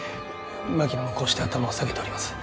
槙野もこうして頭を下げております。